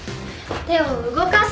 手を動かす！